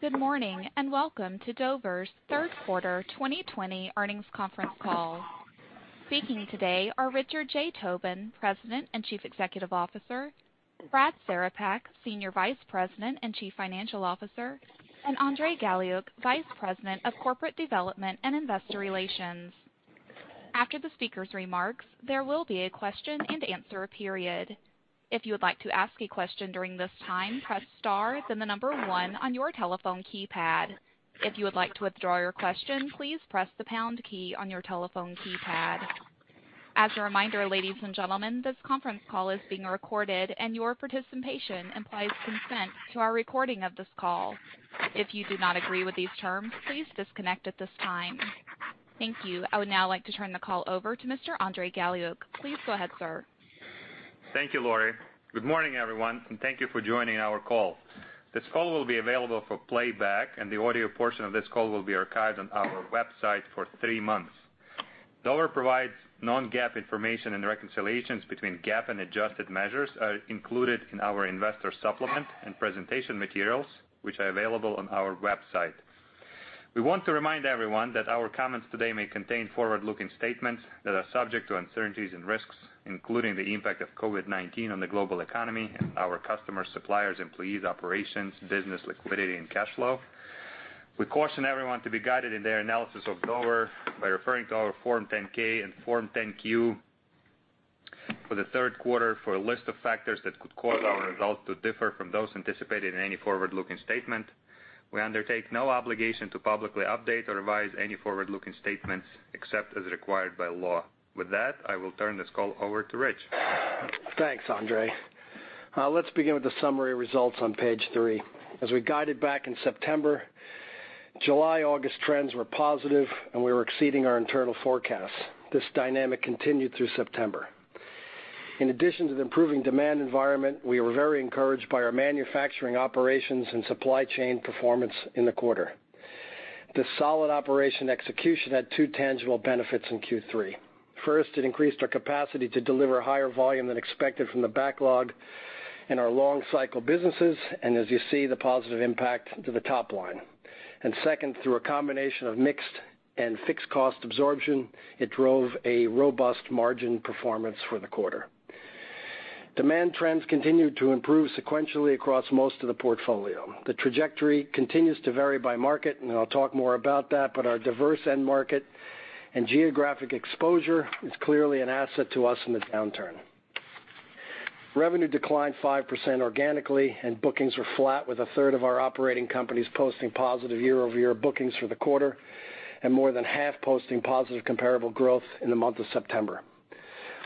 Good morning, and welcome to Dover's Q3 2020 earnings conference call. Speaking today are Rich J. Tobin, President and Chief Executive Officer, Brad Cerepak, Senior Vice President and Chief Financial Officer, and Andrey Galiuk, Vice President of Corporate Development and Investor Relations. After the speakers' remarks, there will be a question and answer period. If you would like to ask a question during this time, press star, then the number one on your telephone keypad. If you would like to withdraw your question, please press the pound key on your telephone keypad. As a reminder, ladies and gentlemen, this conference call is being recorded, and your participation implies consent to our recording of this call. If you do not agree with these terms, please disconnect at this time. Thank you. I would now like to turn the call over to Mr. Andrey Galiuk. Please go ahead, sir. Thank you, Laurie. Good morning, everyone, and thank you for joining our call. This call will be available for playback, and the audio portion of this call will be archived on our website for three months. Dover provides non-GAAP information and reconciliations between GAAP and adjusted measures are included in our investor supplement and presentation materials, which are available on our website. We want to remind everyone that our comments today may contain forward-looking statements that are subject to uncertainties and risks, including the impact of COVID-19 on the global economy and our customers, suppliers, employees, operations, business, liquidity, and cash flow. We caution everyone to be guided in their analysis of Dover by referring to our Form 10-K and Form 10-Q for the Q3 for a list of factors that could cause our results to differ from those anticipated in any forward-looking statement. We undertake no obligation to publicly update or revise any forward-looking statements except as required by law. With that, I will turn this call over to Rich. Thanks, Andrey. Let's begin with the summary results on page three. As we guided back in September, July, August trends were positive, and we were exceeding our internal forecasts. This dynamic continued through September. In addition to the improving demand environment, we were very encouraged by our manufacturing operations and supply chain performance in the quarter. This solid operation execution had two tangible benefits in Q3. First, it increased our capacity to deliver higher volume than expected from the backlog in our long cycle businesses, and as you see, the positive impact to the top line. Second, through a combination of mix and fixed cost absorption, it drove a robust margin performance for the quarter. Demand trends continued to improve sequentially across most of the portfolio. The trajectory continues to vary by market, and I'll talk more about that, but our diverse end market and geographic exposure is clearly an asset to us in this downturn. Revenue declined 5% organically and bookings were flat, with a third of our operating companies posting positive year-over-year bookings for the quarter and more than half posting positive comparable growth in the month of September.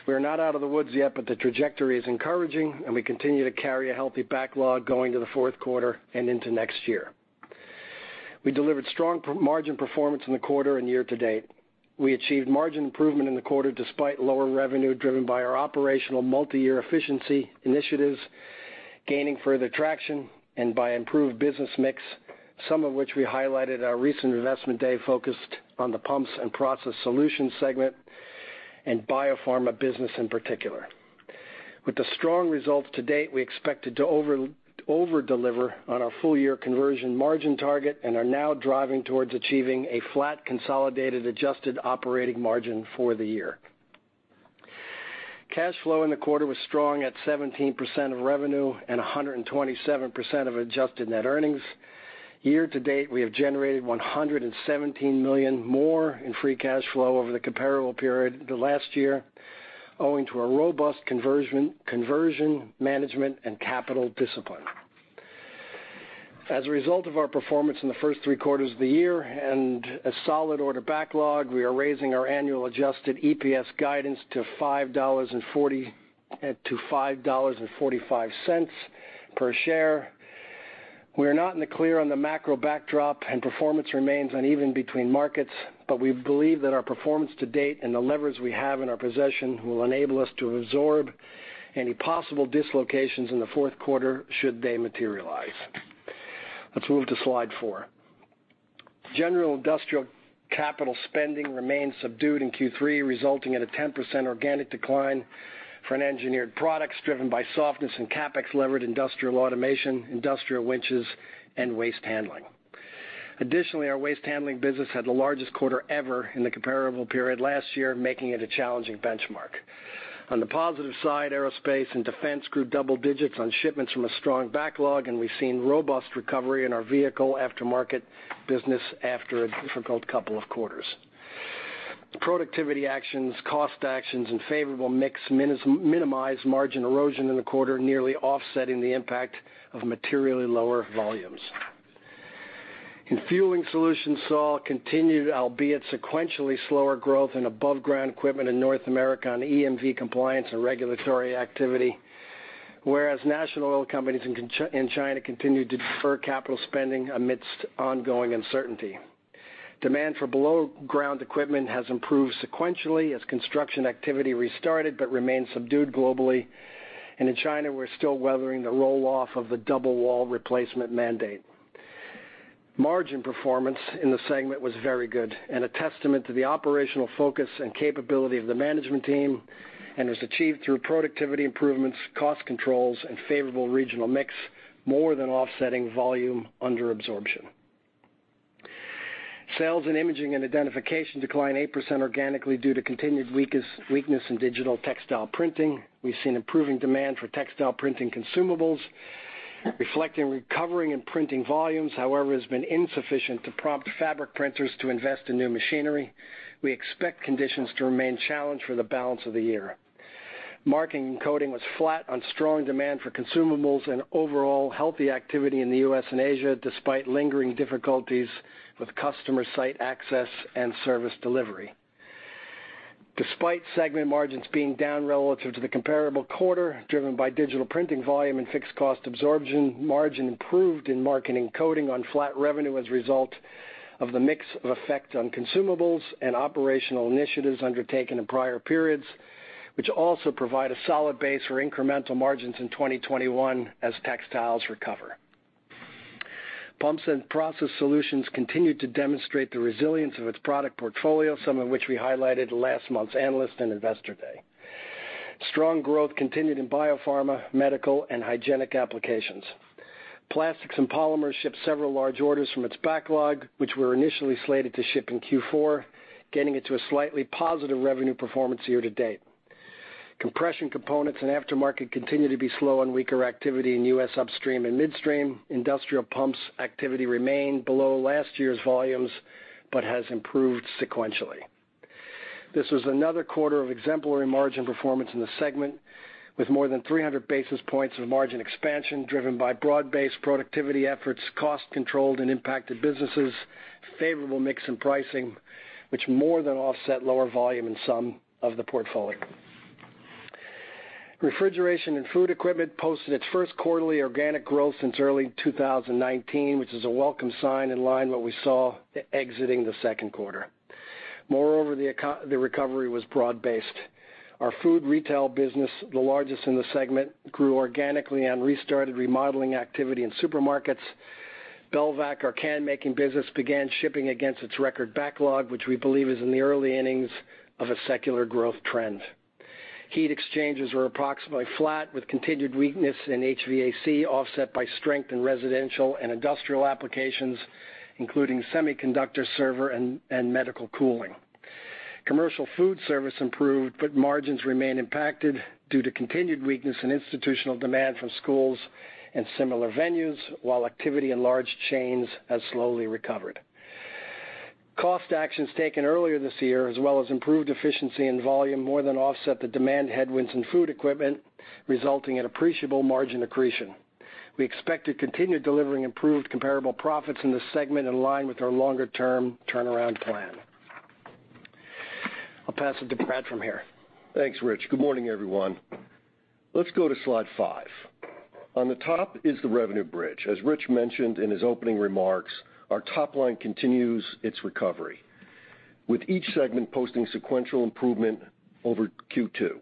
We are not out of the woods yet, but the trajectory is encouraging, and we continue to carry a healthy backlog going to the Q4 and into next year. We delivered strong margin performance in the quarter and year to date. We achieved margin improvement in the quarter despite lower revenue driven by our operational multi-year efficiency initiatives gaining further traction and by improved business mix, some of which we highlighted our recent Investor Day focused on the Pumps & Process Solutions segment and biopharma business in particular. With the strong results to date, we expected to over-deliver on our full year conversion margin target and are now driving towards achieving a flat consolidated adjusted operating margin for the year. Cash flow in the quarter was strong at 17% of revenue and 127% of adjusted net earnings. Year to date, we have generated $117 million more in free cash flow over the comparable period last year, owing to a robust conversion management and capital discipline. As a result of our performance in the first three quarters of the year and a solid order backlog, we are raising our annual adjusted EPS guidance to $5.45 per share. We are not in the clear on the macro backdrop and performance remains uneven between markets, we believe that our performance to date and the levers we have in our possession will enable us to absorb any possible dislocations in the Q4 should they materialize. Let's move to slide four. General industrial capital spending remained subdued in Q3, resulting in a 10% organic decline for Engineered Products driven by softness in CapEx-levered industrial automation, industrial winches, and waste handling. Additionally, our waste handling business had the largest quarter ever in the comparable period last year, making it a challenging benchmark. On the positive side, aerospace and defense grew double digits on shipments from a strong backlog, and we've seen robust recovery in our vehicle aftermarket business after a difficult couple of quarters. Productivity actions, cost actions, and favorable mix minimized margin erosion in the quarter, nearly offsetting the impact of materially lower volumes. In Fueling Solutions, saw continued, albeit sequentially slower growth in above ground equipment in North America on EMV compliance and regulatory activity. National oil companies in China continued to defer capital spending amidst ongoing uncertainty. Demand for below-ground equipment has improved sequentially as construction activity restarted but remains subdued globally. In China, we're still weathering the roll-off of the double wall replacement mandate. Margin performance in the segment was very good and a testament to the operational focus and capability of the management team, and was achieved through productivity improvements, cost controls, and favorable regional mix, more than offsetting volume under absorption. Sales in Imaging & Identification declined 8% organically due to continued weakness in digital textile printing. We've seen improving demand for textile printing consumables. Reflecting recovery in printing volumes, however, it has been insufficient to prompt fabric printers to invest in new machinery. We expect conditions to remain challenged for the balance of the year. Marking and coding was flat on strong demand for consumables and overall healthy activity in the U.S. and Asia, despite lingering difficulties with customer site access and service delivery. Despite segment margins being down relative to the comparable quarter, driven by digital printing volume and fixed cost absorption, margin improved in marking and coding on flat revenue as a result of the mix of effect on consumables and operational initiatives undertaken in prior periods, which also provide a solid base for incremental margins in 2021 as textiles recover. Pumps & Process Solutions continued to demonstrate the resilience of its product portfolio, some of which we highlighted in last month's analyst and Investor Day. Strong growth continued in biopharma, medical, and hygienic applications. Plastics and Polymers shipped several large orders from its backlog, which were initially slated to ship in Q4, getting it to a slightly positive revenue performance year to date. Compression components and aftermarket continue to be slow on weaker activity in U.S. upstream and midstream. Industrial pumps activity remained below last year's volumes, but has improved sequentially. This was another quarter of exemplary margin performance in the segment, with more than 300 basis points of margin expansion driven by broad-based productivity efforts, cost controlled and impacted businesses, favorable mix in pricing, which more than offset lower volume in some of the portfolio. Refrigeration & Food Equipment posted its first quarterly organic growth since early 2019, which is a welcome sign in line what we saw exiting the Q2. Moreover, the recovery was broad based. Our food retail business, the largest in the segment, grew organically and restarted remodeling activity in supermarkets. Belvac, our can-making business, began shipping against its record backlog, which we believe is in the early innings of a secular growth trend. Heat exchangers were approximately flat, with continued weakness in HVAC offset by strength in residential and industrial applications, including semiconductor, server, and medical cooling. Commercial food service improved, margins remain impacted due to continued weakness in institutional demand from schools and similar venues, while activity in large chains has slowly recovered. Cost actions taken earlier this year, as well as improved efficiency and volume, more than offset the demand headwinds in food equipment, resulting in appreciable margin accretion. We expect to continue delivering improved comparable profits in this segment in line with our longer-term turnaround plan. I'll pass it to Brad from here. Thanks, Rich. Good morning, everyone. Let's go to slide five. On the top is the revenue bridge. As Rich mentioned in his opening remarks, our top line continues its recovery, with each segment posting sequential improvement over Q2.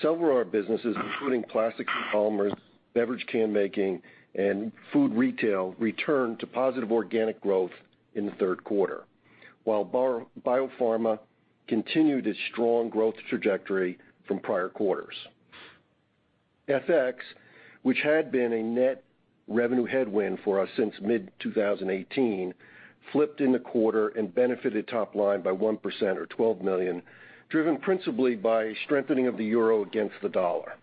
Several of our businesses, including Plastics and Polymers, beverage can making, and food retail, returned to positive organic growth in the Q3, while biopharma continued its strong growth trajectory from prior quarters. FX, which had been a net revenue headwind for us since mid-2018, flipped in the quarter and benefited top line by 1% or $12 million, driven principally by strengthening of the euro against the dollar.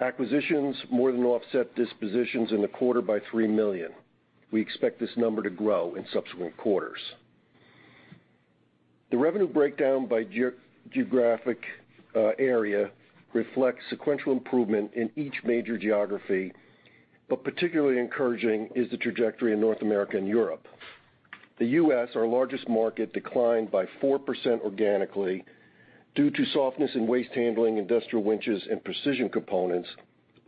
Acquisitions more than offset dispositions in the quarter by $3 million. We expect this number to grow in subsequent quarters. The revenue breakdown by geographic area reflects sequential improvement in each major geography, but particularly encouraging is the trajectory in North America and Europe. The U.S., our largest market, declined by 4% organically due to softness in waste handling, industrial winches, and precision components,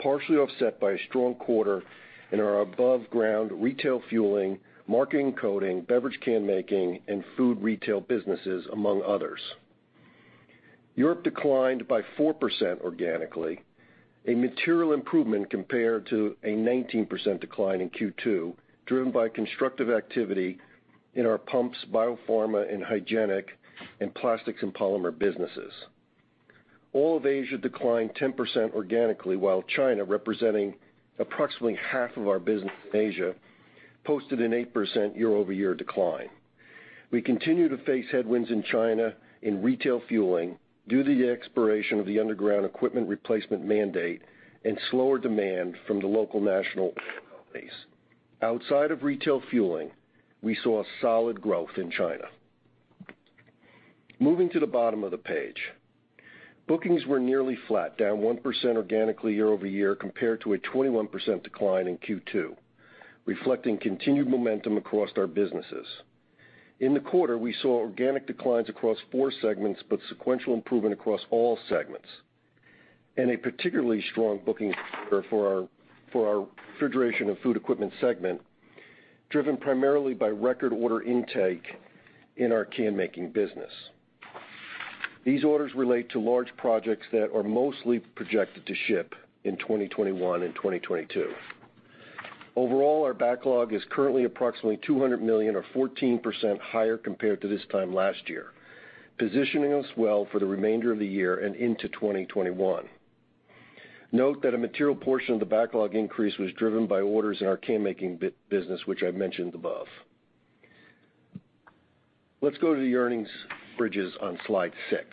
partially offset by a strong quarter in our above-ground retail fueling, Marking and coding, beverage can making, and food retail businesses, among others. Europe declined by 4% organically, a material improvement compared to a 19% decline in Q2, driven by constructive activity in our pumps, biopharma, and hygienic, and Plastics and Polymers businesses. All of Asia declined 10% organically, while China, representing approximately half of our business in Asia, posted an 8% year-over-year decline. We continue to face headwinds in China in retail fueling due to the expiration of the underground equipment replacement mandate and slower demand from the local national oil companies. Outside of retail fueling, we saw solid growth in China. Moving to the bottom of the page. Bookings were nearly flat, down 1% organically year-over-year compared to a 21% decline in Q2, reflecting continued momentum across our businesses. In the quarter, we saw organic declines across four segments, but sequential improvement across all segments, and a particularly strong bookings quarter for our Refrigeration & Food Equipment segment, driven primarily by record order intake in our can-making business. These orders relate to large projects that are mostly projected to ship in 2021 and 2022. Overall, our backlog is currently approximately $200 million, or 14% higher compared to this time last year, positioning us well for the remainder of the year and into 2021. Note that a material portion of the backlog increase was driven by orders in our can-making business, which I mentioned above. Let's go to the earnings bridges on slide six.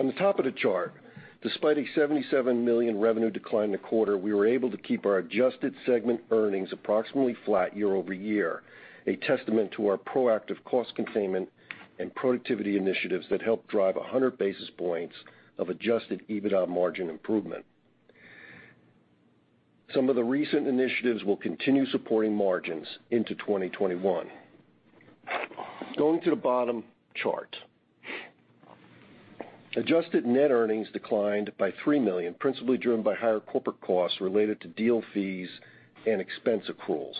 On the top of the chart, despite a $77 million revenue decline in the quarter, we were able to keep our adjusted segment earnings approximately flat year-over-year, a testament to our proactive cost containment and productivity initiatives that helped drive 100 basis points of adjusted EBITDA margin improvement. Some of the recent initiatives will continue supporting margins into 2021. Going to the bottom chart. Adjusted net earnings declined by $3 million, principally driven by higher corporate costs related to deal fees and expense accruals,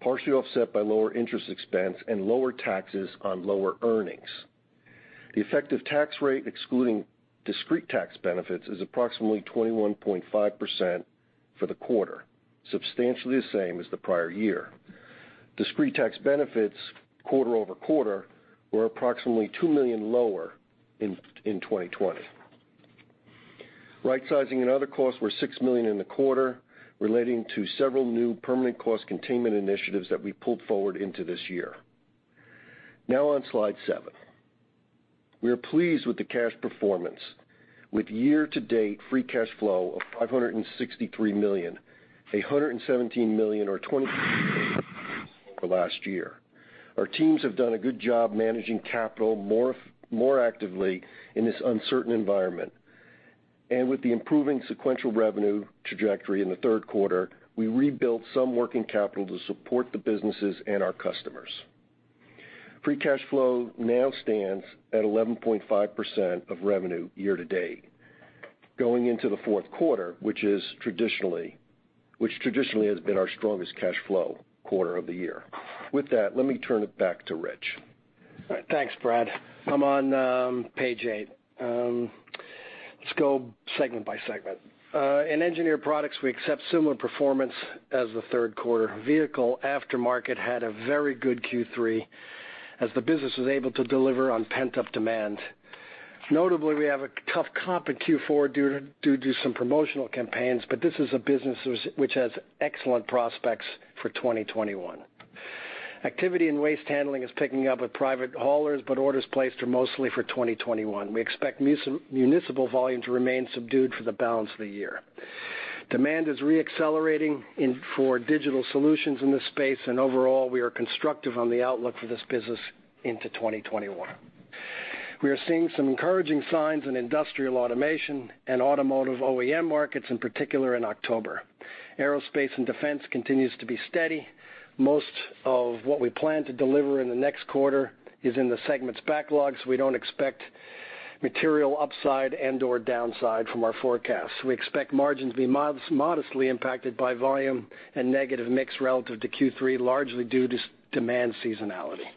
partially offset by lower interest expense and lower taxes on lower earnings. The effective tax rate, excluding discrete tax benefits, is approximately 21.5% for the quarter, substantially the same as the prior year. Discrete tax benefits quarter-over-quarter were approximately $2 million lower in 2020. Right-sizing and other costs were $6 million in the quarter, relating to several new permanent cost containment initiatives that we pulled forward into this year. On slide seven. We are pleased with the cash performance. With year to date free cash flow of $563 million, $117 million or 20% over last year. Our teams have done a good job managing capital more actively in this uncertain environment. With the improving sequential revenue trajectory in the Q3, we rebuilt some working capital to support the businesses and our customers. Free cash flow now stands at 11.5% of revenue year to date, going into the Q4, which traditionally has been our strongest cash flow quarter of the year. With that, let me turn it back to Rich. All right. Thanks, Brad. I'm on page eight. Let's go segment by segment. In Engineered Products, we expect similar performance as the Q3. Vehicle aftermarket had a very good Q3, as the business was able to deliver on pent-up demand. Notably, we have a tough comp in Q4 due to some promotional campaigns, but this is a business which has excellent prospects for 2021. Activity in waste handling is picking up with private haulers, orders placed are mostly for 2021. We expect municipal volume to remain subdued for the balance of the year. Demand is re-accelerating for digital solutions in this space, overall, we are constructive on the outlook for this business into 2021. We are seeing some encouraging signs in industrial automation and automotive OEM markets, in particular in October. Aerospace and defense continues to be steady. Most of what we plan to deliver in the next quarter is in the segment's backlogs. We don't expect material upside and/or downside from our forecasts. We expect margins to be modestly impacted by volume and negative mix relative to Q3, largely due to demand seasonality.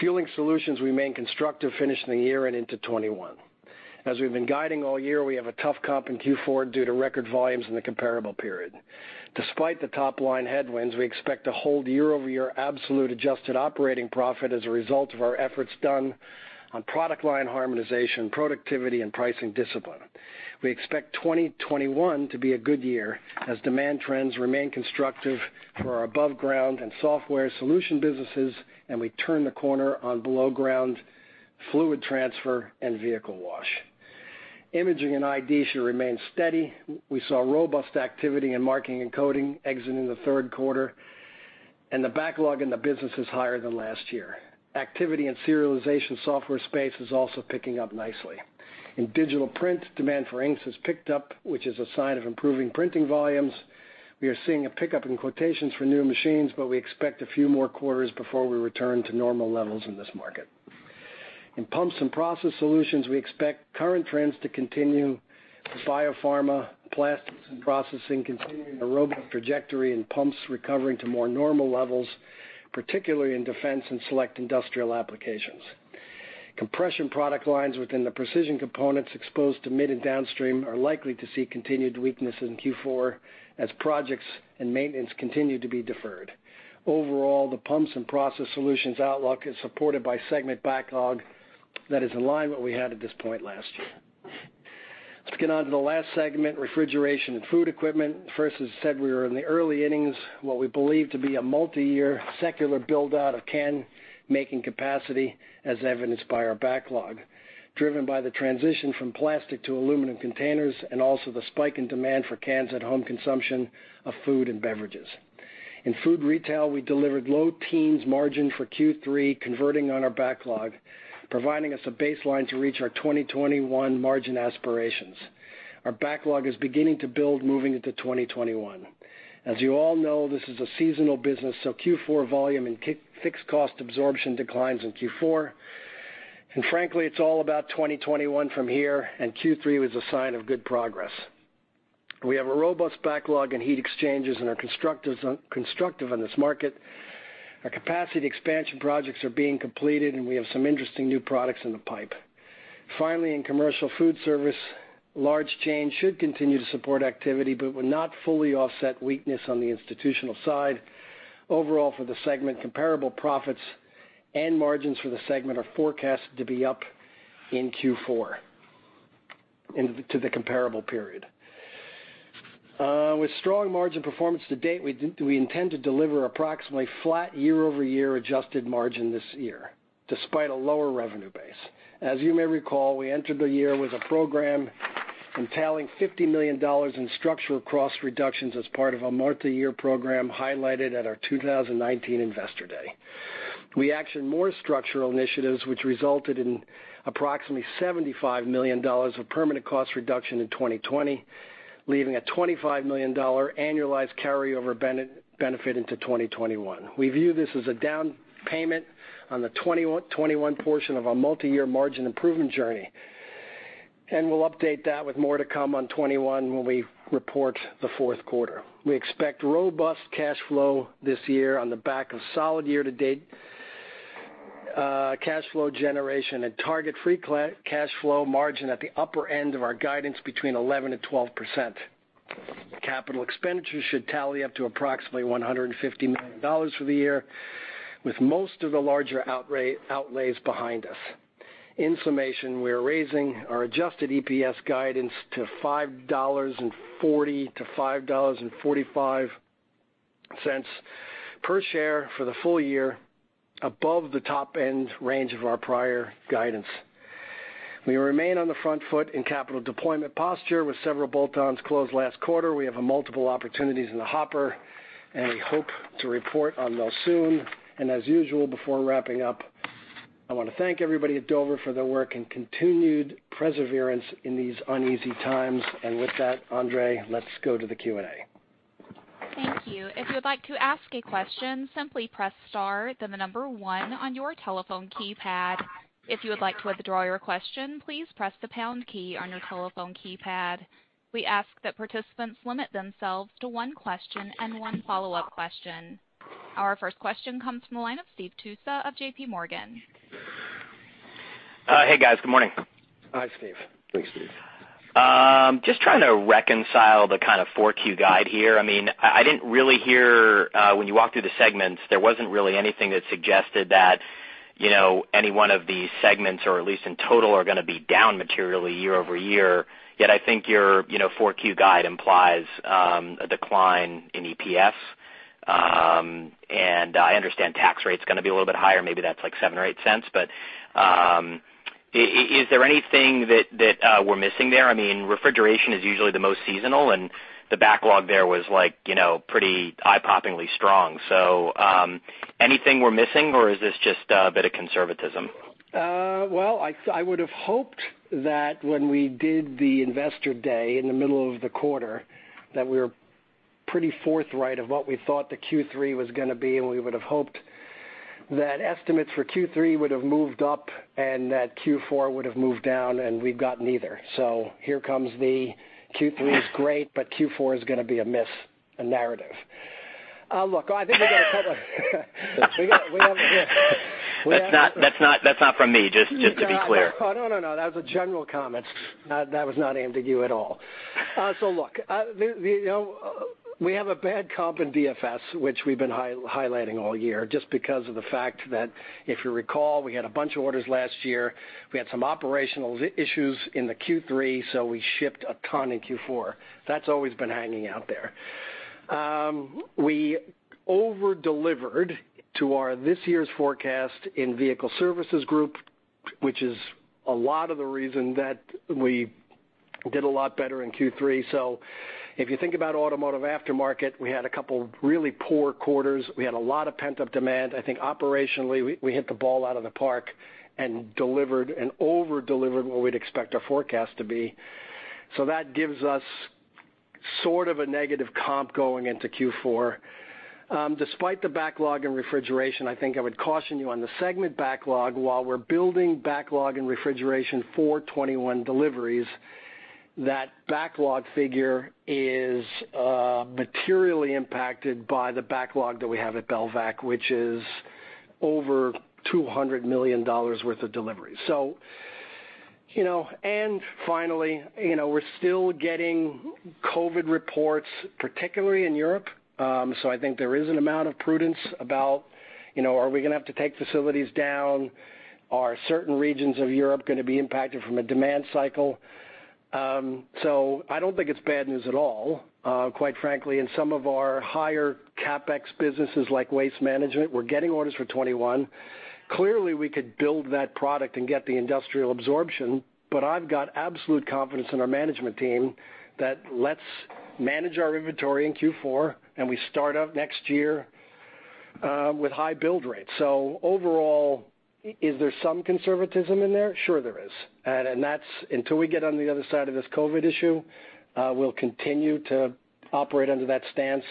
Fueling Solutions remain constructive finishing the year and into 2021. As we've been guiding all year, we have a tough comp in Q4 due to record volumes in the comparable period. Despite the top-line headwinds, we expect to hold year-over-year absolute adjusted operating profit as a result of our efforts done on product line harmonization, productivity, and pricing discipline. We expect 2021 to be a good year as demand trends remain constructive for our above ground and software solution businesses, and we turn the corner on below ground fluid transfer and vehicle wash. Imaging & Identification should remain steady. We saw robust activity in Marking & Coding exiting Q3, and the backlog in the business is higher than last year. Activity in serialization software space is also picking up nicely. In digital print, demand for inks has picked up, which is a sign of improving printing volumes. We are seeing a pickup in quotations for new machines, but we expect a few more quarters before we return to normal levels in this market. In Pumps & Process Solutions, we expect current trends to continue, with biopharma, Plastics, and processing continuing a robust trajectory and pumps recovering to more normal levels, particularly in defense and select industrial applications. Compression product lines within the precision components exposed to mid and downstream are likely to see continued weakness in Q4 as projects and maintenance continue to be deferred. Overall, the Pumps & Process Solutions outlook is supported by segment backlog that is in line with what we had at this point last year. Let's get on to the last segment, Refrigeration & Food Equipment. First, as said, we are in the early innings, what we believe to be a multi-year secular build-out of can-making capacity, as evidenced by our backlog, driven by the transition from plastic to aluminum containers and also the spike in demand for cans at home consumption of food and beverages. In food retail, we delivered low teens margin for Q3, converting on our backlog, providing us a baseline to reach our 2021 margin aspirations. Our backlog is beginning to build moving into 2021. As you all know, this is a seasonal business, Q4 volume and fixed cost absorption declines in Q4. Frankly, it's all about 2021 from here, and Q3 was a sign of good progress. We have a robust backlog in heat exchanges and are constructive on this market. Our capacity expansion projects are being completed, and we have some interesting new products in the pipe. Finally, in commercial food service, large chains should continue to support activity, but will not fully offset weakness on the institutional side. Overall for the segment, comparable profits and margins for the segment are forecast to be up in Q4 to the comparable period. With strong margin performance to date, we intend to deliver approximately flat year-over-year adjusted margin this year, despite a lower revenue base. As you may recall, we entered the year with a program entailing $50 million in structural cost reductions as part of a multi-year program highlighted at our 2019 Investor Day. We actioned more structural initiatives, which resulted in approximately $75 million of permanent cost reduction in 2020, leaving a $25 million annualized carryover benefit into 2021. We view this as a down payment on the 2021 portion of our multi-year margin improvement journey, and we'll update that with more to come on 2021 when we report the Q4. We expect robust cash flow this year on the back of solid year-to-date cash flow generation and target free cash flow margin at the upper end of our guidance, between 11%-12%. Capital expenditures should tally up to approximately $150 million for the year, with most of the larger outlays behind us. In summation, we are raising our adjusted EPS guidance to $5.40-$5.45 per share for the full year, above the top-end range of our prior guidance. We remain on the front foot in capital deployment posture with several bolt-ons closed last quarter. We have multiple opportunities in the hopper, we hope to report on those soon. As usual, before wrapping up, I want to thank everybody at Dover for their work and continued perseverance in these uneasy times. With that, Andrey, let's go to the Q&A. Thank you. If you would like to ask a question, simply press star, then the number one on your telephone keypad. If you would like to withdraw your question, please press the pound key on your telephone keypad. We ask that participants limit themselves to one question and one follow-up question. Our first question comes from the line of Stephen Tusa of JPMorgan. Hey, guys. Good morning. Hi, Stephen. Thanks, Stephen. Just trying to reconcile the kind of 4Q guide here. I didn't really hear when you walked through the segments, there wasn't really anything that suggested that any one of these segments, or at least in total, are going to be down materially year-over-year. Yet I think your 4Q guide implies a decline in EPS. I understand tax rate's going to be a little bit higher. Maybe that's like $0.07 or $0.08, but is there anything that we're missing there? Refrigeration is usually the most seasonal, and the backlog there was pretty eye-poppingly strong. Anything we're missing, or is this just a bit of conservatism? I would've hoped that when we did the Investor Day in the middle of the quarter, that we were pretty forthright of what we thought the Q3 was going to be, and we would've hoped that estimates for Q3 would've moved up, and that Q4 would've moved down, and we've got neither. Here comes the "Q3 is great, but Q4 is going to be a miss" narrative. Look, I think we got a couple of We have a That's not from me, just to be clear. Oh, no, no. That was a general comment. That was not aimed at you at all. Look, we have a bad comp in DFS, which we've been highlighting all year, just because of the fact that if you recall, we had a bunch of orders last year. We had some operational issues in the Q3, so we shipped a ton in Q4. That's always been hanging out there. We over-delivered to our this year's forecast in Vehicle Service Group, which is a lot of the reason that we did a lot better in Q3. If you think about automotive aftermarket, we had a couple really poor quarters. We had a lot of pent-up demand. I think operationally, we hit the ball out of the park and delivered, and over-delivered what we'd expect our forecast to be. That gives us sort of a negative comp going into Q4. Despite the backlog in refrigeration, I think I would caution you on the segment backlog. While we're building backlog in refrigeration for 2021 deliveries, that backlog figure is materially impacted by the backlog that we have at Belvac, which is over $200 million worth of deliveries. Finally, we're still getting COVID reports, particularly in Europe. I think there is an amount of prudence about are we going to have to take facilities down? Are certain regions of Europe going to be impacted from a demand cycle? I don't think it's bad news at all, quite frankly. In some of our higher CapEx businesses like Waste Management, we're getting orders for 2021. We could build that product and get the industrial absorption. I've got absolute confidence in our management team that let's manage our inventory in Q4, and we start up next year with high build rates. Overall, is there some conservatism in there? Sure there is. Until we get on the other side of this COVID issue, we'll continue to operate under that stance.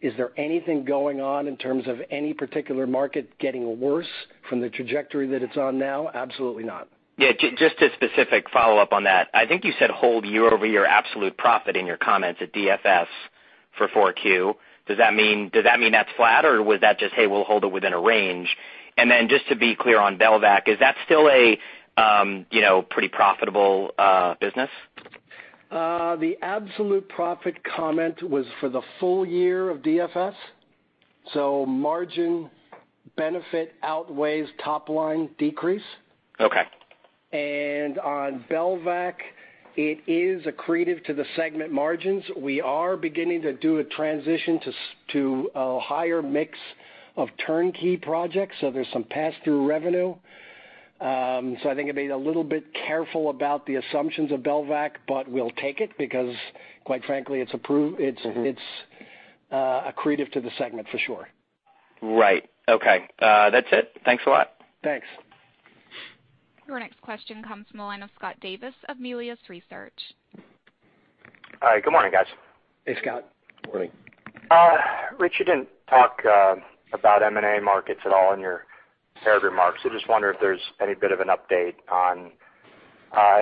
Is there anything going on in terms of any particular market getting worse from the trajectory that it's on now? Absolutely not. Yeah. Just a specific follow-up on that. I think you said hold year-over-year absolute profit in your comments at DFS for 4Q. Does that mean that's flat, or was that just, "Hey, we'll hold it within a range"? Just to be clear on Belvac, is that still a pretty profitable business? The absolute profit comment was for the full year of DFS, so margin benefit outweighs top-line decrease. Okay. On Belvac, it is accretive to the segment margins. We are beginning to do a transition to a higher mix of turnkey projects, so there's some pass-through revenue. I think I'd be a little bit careful about the assumptions of Belvac, but we'll take it because, quite frankly, it's approved. It's accretive to the segment for sure. Right. Okay. That's it. Thanks a lot. Thanks. Your next question comes from Scott Davis of Melius Research. Hi, good morning, guys. Hey, Scott. Morning. Rich, you didn't talk about M&A markets at all in your prepared remarks. Just wonder if there's any bit of an update on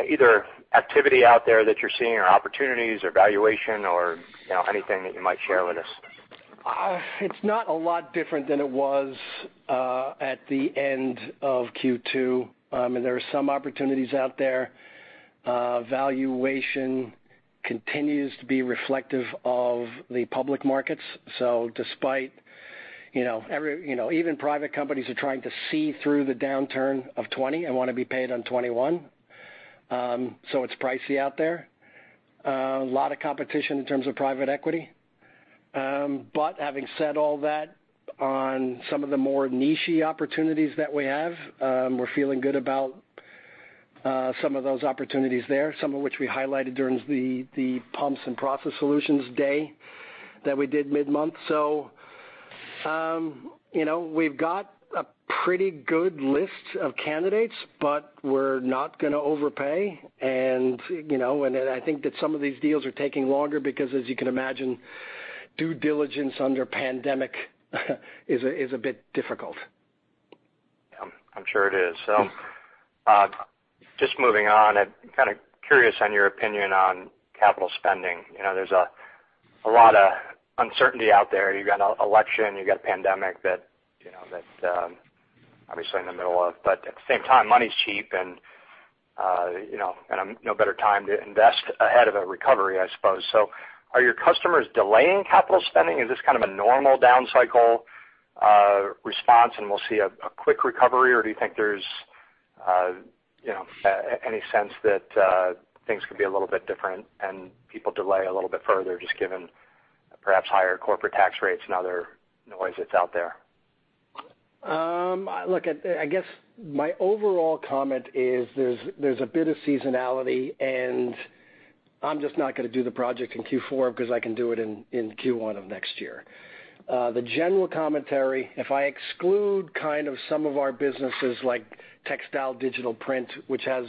either activity out there that you're seeing, or opportunities or valuation or anything that you might share with us? It's not a lot different than it was at the end of Q2. There are some opportunities out there. Valuation continues to be reflective of the public markets. Despite even private companies are trying to see through the downturn of 2020 and want to be paid on 2021. It's pricey out there. A lot of competition in terms of private equity. Having said all that, on some of the more niche-y opportunities that we have, we're feeling good about some of those opportunities there, some of which we highlighted during the Pumps & Process Solutions Day that we did mid-month. We've got a pretty good list of candidates, but we're not going to overpay. I think that some of these deals are taking longer because, as you can imagine, due diligence under pandemic is a bit difficult. Yeah. I'm sure it is. Just moving on. I'm kind of curious on your opinion on capital spending. There's a lot of uncertainty out there. You've got an election, you've got a pandemic that obviously in the middle of. At the same time, money's cheap, and no better time to invest ahead of a recovery, I suppose. Are your customers delaying capital spending? Is this kind of a normal down cycle response, and we'll see a quick recovery, or do you think there's any sense that things could be a little bit different, and people delay a little bit further, just given perhaps higher corporate tax rates and other noise that's out there? I guess my overall comment is there's a bit of seasonality, and I'm just not going to do the project in Q4 because I can do it in Q1 of next year. The general commentary, if I exclude kind of some of our businesses like textile digital print, which has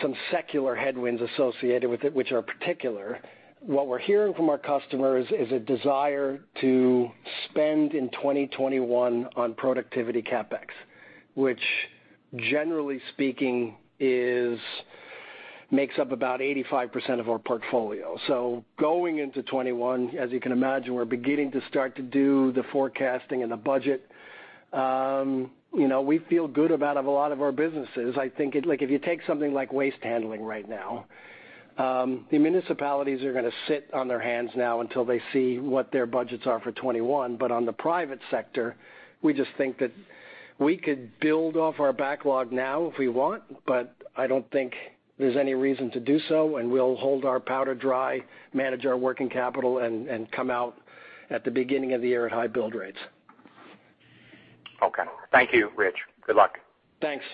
some secular headwinds associated with it, which are particular, what we're hearing from our customers is a desire to spend in 2021 on productivity CapEx, Which generally speaking, makes up about 85% of our portfolio. Going into 2021, as you can imagine, we're beginning to start to do the forecasting and the budget. We feel good about a lot of our businesses. I think if you take something like Waste Management right now, the municipalities are going to sit on their hands now until they see what their budgets are for 2021. On the private sector, we just think that we could build off our backlog now if we want, but I don't think there's any reason to do so. We'll hold our powder dry, manage our working capital, and come out at the beginning of the year at high build rates. Okay. Thank you, Rich. Good luck. Thanks.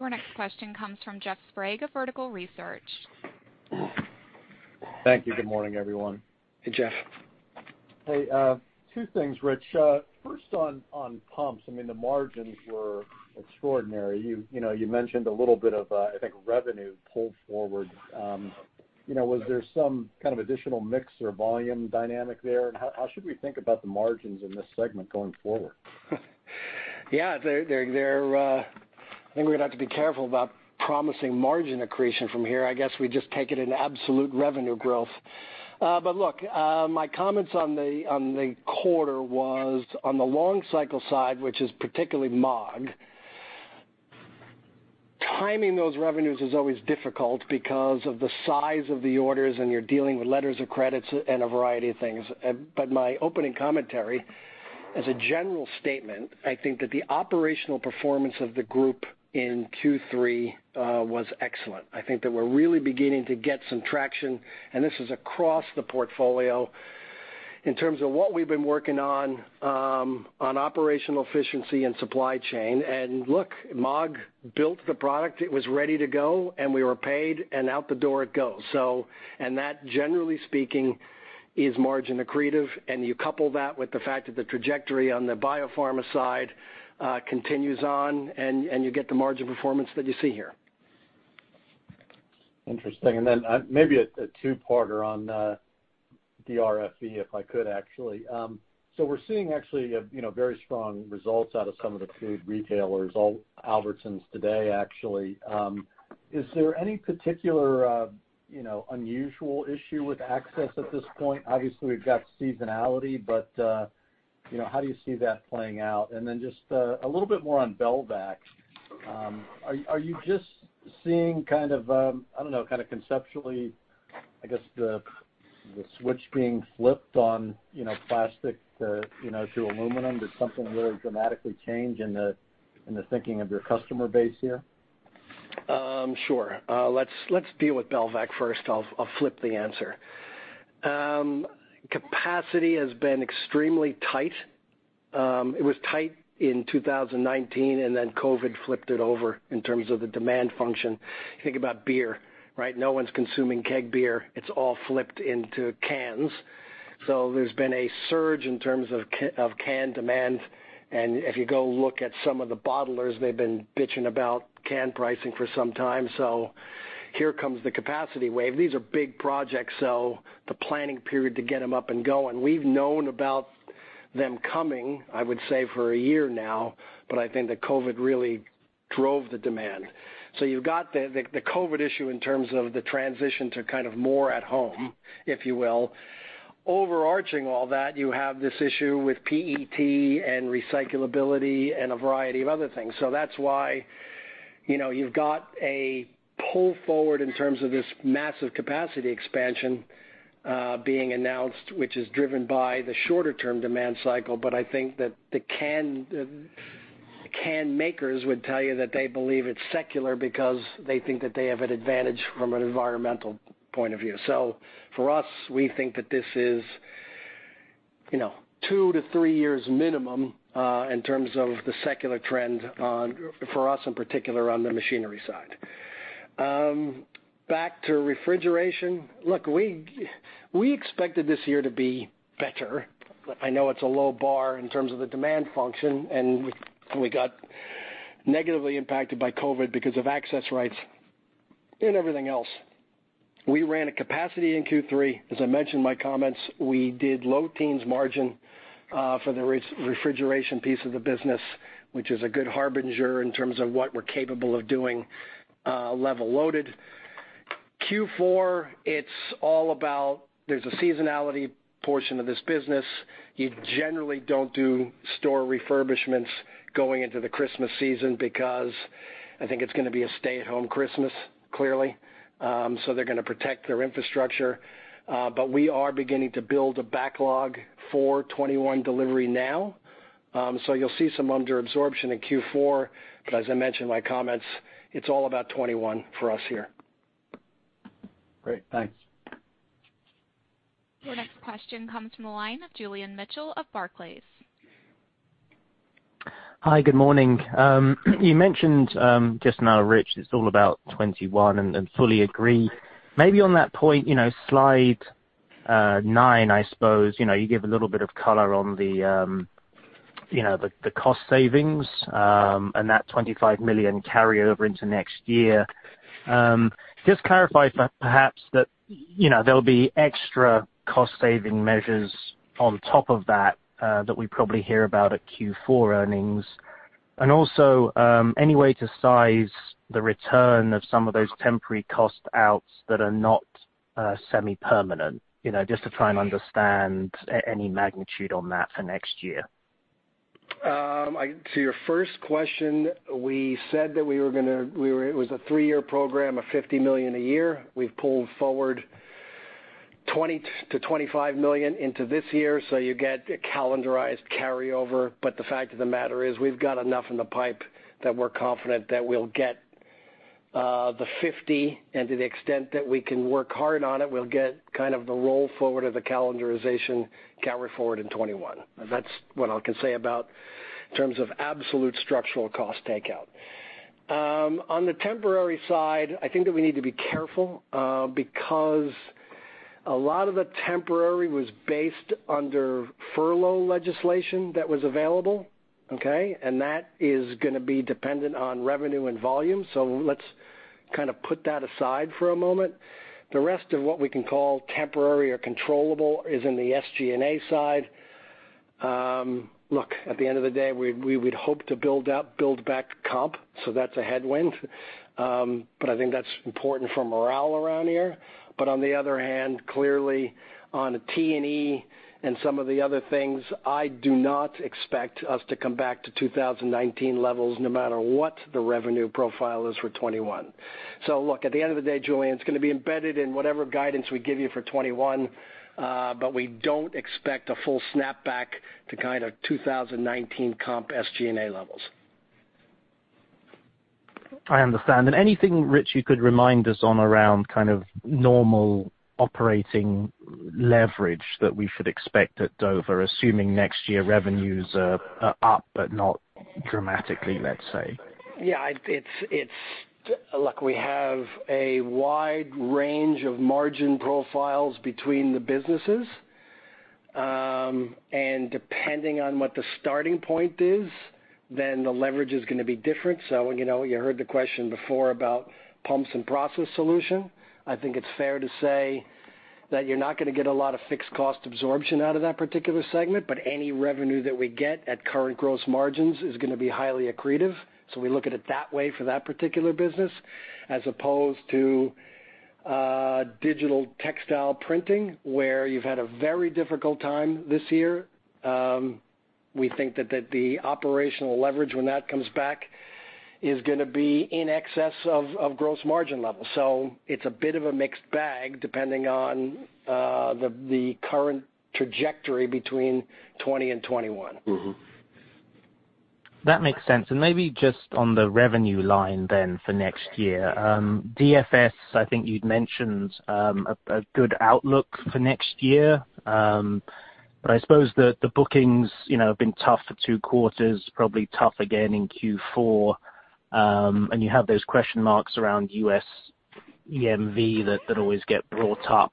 Your next question comes from Jeff Sprague of Vertical Research. Thank you. Good morning, everyone. Hey, Jeff. Hey, two things, Rich. First on pumps. I mean, the margins were extraordinary. You mentioned a little bit of, I think, revenue pulled forward. Was there some kind of additional mix or volume dynamic there? How should we think about the margins in this segment going forward? Yeah. I think we're going to have to be careful about promising margin accretion from here. I guess we just take it in absolute revenue growth. Look, my comments on the quarter was on the long cycle side, which is particularly Maag. Timing those revenues is always difficult because of the size of the orders, and you're dealing with letters of credits and a variety of things. My opening commentary, as a general statement, I think that the operational performance of the group in Q3 was excellent. I think that we're really beginning to get some traction, and this is across the portfolio in terms of what we've been working on operational efficiency and supply chain. Look, Maag built the product. It was ready to go, we were paid, and out the door it goes. That, generally speaking, is margin accretive. You couple that with the fact that the trajectory on the biopharma side continues on, and you get the margin performance that you see here. Interesting. Then maybe a two-parter on the RFE, if I could, actually. We're seeing actually very strong results out of some of the food retailers, Albertsons today, actually. Is there any particular unusual issue with access at this point? Obviously, we've got seasonality, but how do you see that playing out? Then just a little bit more on Belvac. Are you just seeing, I don't know, conceptually, I guess, the switch being flipped on plastic to aluminum? Did something really dramatically change in the thinking of your customer base here? Sure. Let's deal with Belvac first. I'll flip the answer. Capacity has been extremely tight. It was tight in 2019, and then COVID flipped it over in terms of the demand function. Think about beer, right? No one's consuming keg beer. It's all flipped into cans. There's been a surge in terms of can demand, and if you go look at some of the bottlers, they've been bitching about can pricing for some time. Here comes the capacity wave. These are big projects, so the planning period to get them up and going, we've known about them coming, I would say, for a year now, but I think that COVID really drove the demand. You've got the COVID issue in terms of the transition to more at home, if you will. Overarching all that, you have this issue with PET and recyclability and a variety of other things. That's why you've got a pull forward in terms of this massive capacity expansion being announced, which is driven by the shorter-term demand cycle. I think that the can makers would tell you that they believe it's secular because they think that they have an advantage from an environmental point of view. For us, we think that this is two to three years minimum in terms of the secular trend on, for us in particular, on the machinery side. Back to Refrigeration. Look, we expected this year to be better. I know it's a low bar in terms of the demand function, and we got negatively impacted by COVID because of access rights and everything else. We ran a capacity in Q3. As I mentioned in my comments, we did low teens margin for the refrigeration piece of the business, which is a good harbinger in terms of what we're capable of doing level-loaded. Q4, it's all about there's a seasonality portion of this business. You generally don't do store refurbishments going into the Christmas season because I think it's going to be a stay-at-home Christmas, clearly, so they're going to protect their infrastructure. We are beginning to build a backlog for 2021 delivery now. You'll see some under absorption in Q4, but as I mentioned in my comments, it's all about 2021 for us here. Great. Thanks. Your next question comes from the line of Julian Mitchell of Barclays. Hi, good morning. You mentioned just now, Rich, it's all about 2021. Fully agree. Maybe on that point, slide nine, I suppose. You give a little bit of color on the cost savings, and that $25 million carry over into next year. Just clarify perhaps that there'll be extra cost-saving measures on top of that we probably hear about at Q4 earnings. Also, any way to size the return of some of those temporary cost outs that are not semi-permanent? Just to try and understand any magnitude on that for next year. To your first question, we said that it was a three-year program of $50 million a year. We've pulled forward $20 million-$25 million into this year, so you get a calendarized carryover. The fact of the matter is, we've got enough in the pipe that we're confident that we'll get the $50, and to the extent that we can work hard on it, we'll get kind of the roll forward of the calendarization carry forward in 2021. That's what I can say about in terms of absolute structural cost takeout. On the temporary side, I think that we need to be careful because a lot of the temporary was based under furlough legislation that was available. Okay. That is going to be dependent on revenue and volume. Let's kind of put that aside for a moment. The rest of what we can call temporary or controllable is in the SG&A side. Look, at the end of the day, we would hope to build back to comp, that's a headwind. I think that's important for morale around here. On the other hand, clearly on T&E and some of the other things, I do not expect us to come back to 2019 levels no matter what the revenue profile is for 2021. Look, at the end of the day, Julian, it's going to be embedded in whatever guidance we give you for 2021. We don't expect a full snapback to kind of 2019 comp SG&A levels. I understand. Anything, Rich, you could remind us on around kind of normal operating leverage that we should expect at Dover, assuming next year revenues are up but not dramatically, let's say? Yeah. Look, we have a wide range of margin profiles between the businesses. And depending on what the starting point is, the leverage is going to be different. You heard the question before about Pumps & Process Solution. I think it's fair to say that you're not going to get a lot of fixed cost absorption out of that particular segment, any revenue that we get at current gross margins is going to be highly accretive. We look at it that way for that particular business, as opposed to digital textile printing, where you've had a very difficult time this year. We think that the operational leverage, when that comes back, is going to be in excess of gross margin levels. It's a bit of a mixed bag depending on the current trajectory between 2020 and 2021. That makes sense. Maybe just on the revenue line then for next year. DFS, I think you'd mentioned a good outlook for next year. I suppose the bookings have been tough for two quarters, probably tough again in Q4, and you have those question marks around U.S. EMV that always get brought up.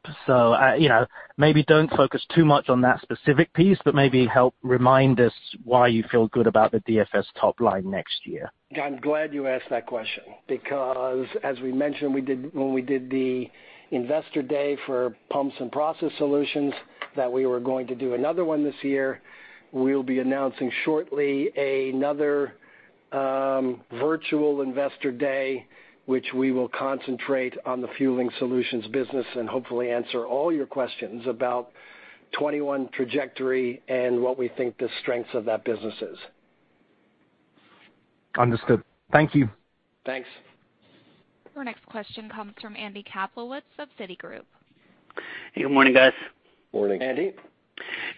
Maybe don't focus too much on that specific piece, but maybe help remind us why you feel good about the DFS top line next year. I'm glad you asked that question, because as we mentioned when we did the Investor Day for Pumps & Process Solutions, that we were going to do another one this year. We'll be announcing shortly another virtual Investor Day, which we will concentrate on the Fueling Solutions business and hopefully answer all your questions about 2021 trajectory and what we think the strengths of that business is. Understood. Thank you. Thanks. Your next question comes from Andy Kaplowitz of Citigroup. Good morning, guys. Morning, Andy.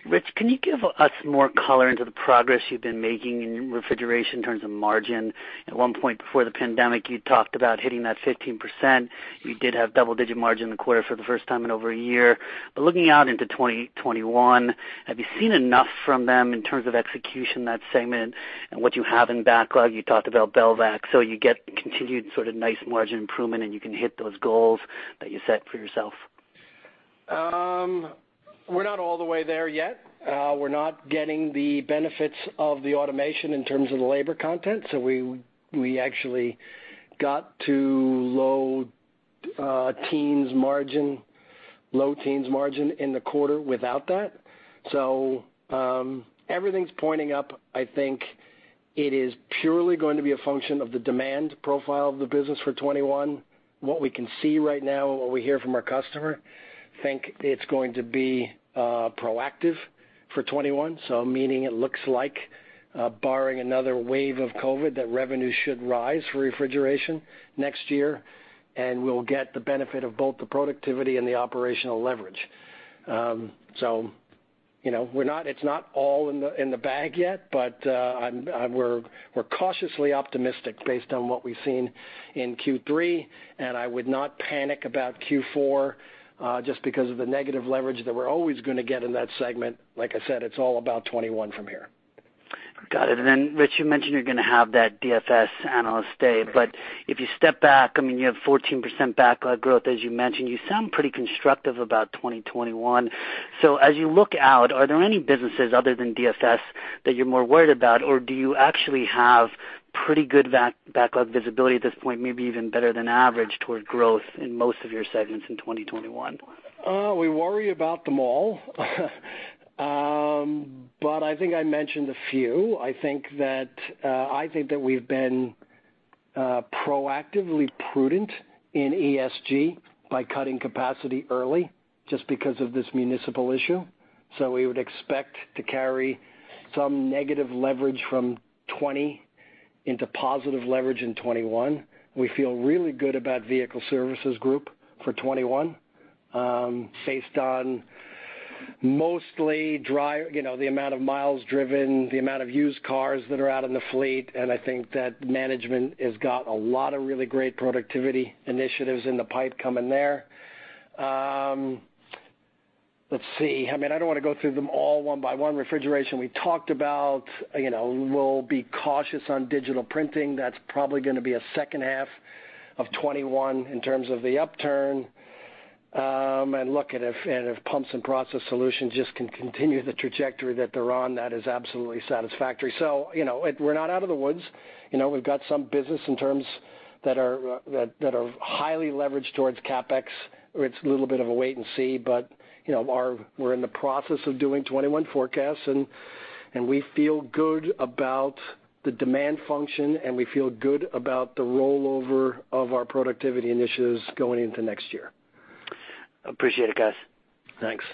Rich, can you give us more color into the progress you've been making in refrigeration in terms of margin? At one point before the pandemic, you talked about hitting that 15%. You did have double-digit margin in the quarter for the first time in over a year. Looking out into 2021, have you seen enough from them in terms of execution in that segment and what you have in backlog, you talked about Belvac, so you get continued sort of nice margin improvement, and you can hit those goals that you set for yourself? We're not all the way there yet. We're not getting the benefits of the automation in terms of the labor content. We actually got to low teens margin in the quarter without that. Everything's pointing up. I think it is purely going to be a function of the demand profile of the business for 2021. What we can see right now and what we hear from our customer, think it's going to be proactive for 2021. Meaning it looks like, barring another wave of COVID, that revenue should rise for Refrigeration next year, and we'll get the benefit of both the productivity and the operational leverage. It's not all in the bag yet, but we're cautiously optimistic based on what we've seen in Q3, and I would not panic about Q4 just because of the negative leverage that we're always going to get in that segment. Like I said, it's all about 2021 from here. Got it. Then Rich, you mentioned you're going to have that DFS Analyst Day. If you step back, you have 14% backlog growth, as you mentioned. You sound pretty constructive about 2021. As you look out, are there any businesses other than DFS that you're more worried about, or do you actually have pretty good backlog visibility at this point, maybe even better than average towards growth in most of your segments in 2021? We worry about them all. I think I mentioned a few. I think that we've been proactively prudent in ESG by cutting capacity early just because of this municipal issue. We would expect to carry some negative leverage from 2020 into positive leverage in 2021. We feel really good about Vehicle Service Group for 2021 based on mostly the amount of miles driven, The amount of used cars that are out in the fleet, and I think that management has got a lot of really great productivity initiatives in the pipe coming there. Let's see. I don't want to go through them all one by one. Refrigeration we talked about. We'll be cautious on digital printing. That's probably going to be a second half of 2021 in terms of the upturn. Look, and if Pumps & Process Solutions just can continue the trajectory that they're on, that is absolutely satisfactory. We're not out of the woods. We've got some business in terms that are highly leveraged towards CapEx where it's a little bit of a wait and see. We're in the process of doing 2021 forecasts, and we feel good about the demand function, and we feel good about the rollover of our productivity initiatives going into next year. Appreciate it, guys. Thanks.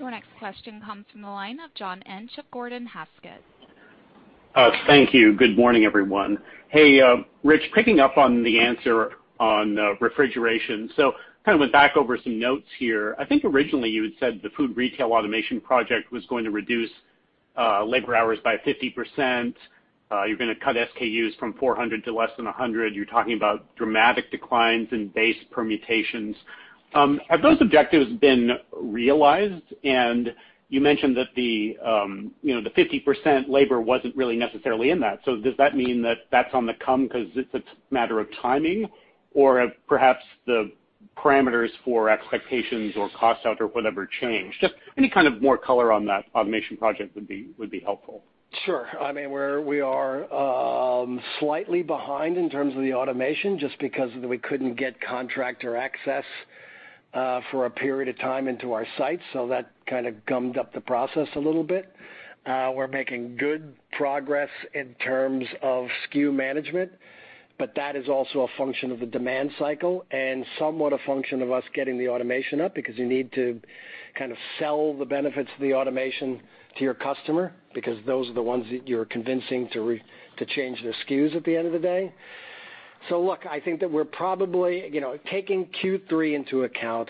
Your next question comes from the line of John Inch of Gordon Haskett. Thank you. Good morning, everyone. Hey, Rich, picking up on the answer on refrigeration. Kind of went back over some notes here. I think originally you had said the food retail automation project was going to reduce labor hours by 50%. You're going to cut SKUs from 400 to less than 100. You're talking about dramatic declines in base permutations. Have those objectives been realized? You mentioned that the 50% labor wasn't really necessarily in that. Does that mean that that's on the come because it's a matter of timing? Have perhaps the parameters for expectations or cost out or whatever change? Just any kind of more color on that automation project would be helpful. Sure. We are slightly behind in terms of the automation just because we couldn't get contractor access for a period of time into our site, so that gummed up the process a little bit. That is also a function of the demand cycle and somewhat a function of us getting the automation up, Because you need to sell the benefits of the automation to your customer, because those are the ones that you're convincing to change their SKUs at the end of the day. Look, I think that we're probably, taking Q3 into account,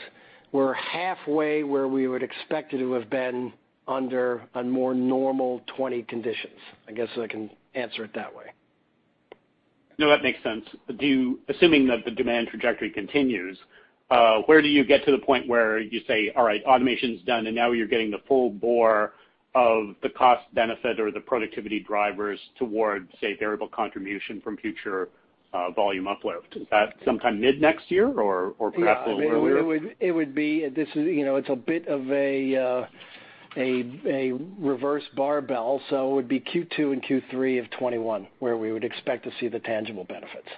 we're halfway where we would expected to have been under a more normal 2020 conditions. I guess I can answer it that way. No, that makes sense. Assuming that the demand trajectory continues, where do you get to the point where you say, all right, automation's done, and now you're getting the full bore of the cost benefit or the productivity drivers towards, say, variable contribution from future volume uplift? Is that sometime mid next year or perhaps a little earlier? Yeah. It's a bit of a reverse barbell. It would be Q2 and Q3 of 2021 where we would expect to see the tangible benefits.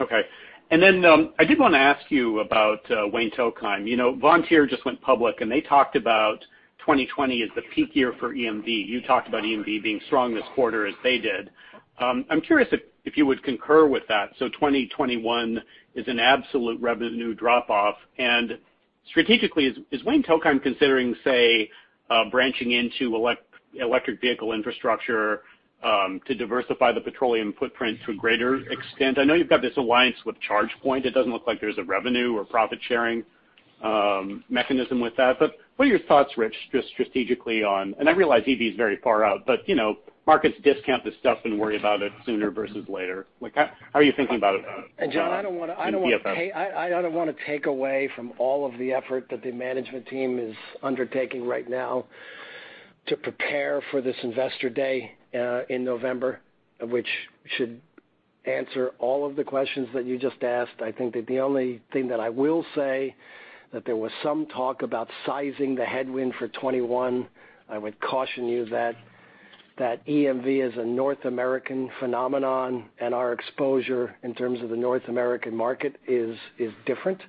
Okay. I did want to ask you about Wayne Fueling Systems. Vontier just went public, and they talked about 2020 as the peak year for EMV. You talked about EMV being strong this quarter as they did. I'm curious if you would concur with that. 2021 is an absolute revenue drop-off. Strategically, is Wayne Fueling Systems considering, say, branching into electric vehicle infrastructure to diversify the petroleum footprint to a greater extent? I know you've got this alliance with ChargePoint. It doesn't look like there's a revenue or profit-sharing mechanism with that, what are your thoughts, Rich, just strategically on I realize EV's very far out, markets discount this stuff and worry about it sooner versus later. How are you thinking about it in DFS? John, I don't want to take away from all of the effort that the management team is undertaking right now to prepare for this Investor Day in November, which should answer all of the questions that you just asked. I think that the only thing that I will say, that there was some talk about sizing the headwind for 2021. I would caution you that EMV is a North American phenomenon, and our exposure in terms of the North American market is different.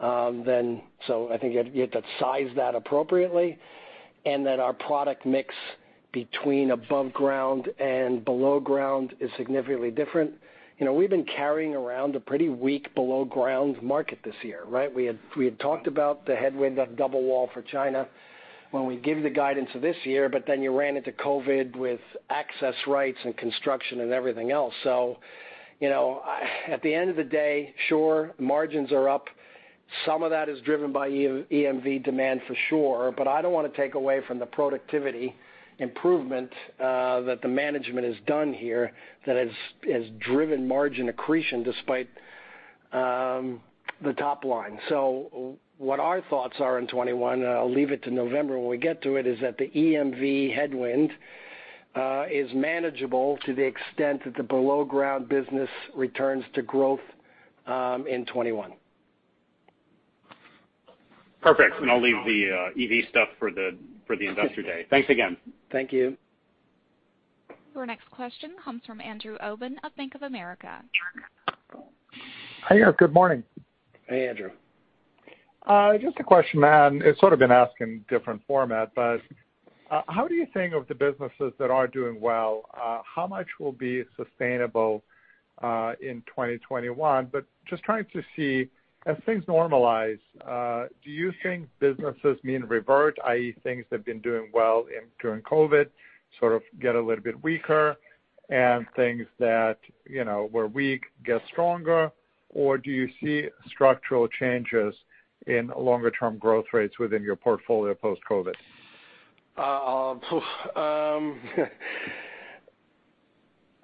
I think you have to size that appropriately, and that our product mix between above ground and below ground is significantly different. We've been carrying around a pretty weak below ground market this year, right? We had talked about the headwind of double wall for China when we gave the guidance of this year, but then you ran into COVID with access rights and construction and everything else. At the end of the day, sure, margins are up. Some of that is driven by EMV demand for sure, but I don't want to take away from the productivity improvement that the management has done here that has driven margin accretion despite the top line. What our thoughts are in 2021, and I'll leave it to November when we get to it, is that the EMV headwind is manageable to the extent that the below ground business returns to growth in 2021. Perfect. I'll leave the EV stuff for the Investor Day. Thanks again. Thank you. Your next question comes from Andrew Obin of Bank of America. Hi there. Good morning. Hey, Andrew. Just a question, man. It's sort of been asked in different format, but how do you think of the businesses that are doing well? How much will be sustainable in 2021? Just trying to see, as things normalize, do you think businesses mean revert, i.e., things that have been doing well during COVID sort of get a little bit weaker and things that were weak get stronger? Or do you see structural changes in longer term growth rates within your portfolio post-COVID?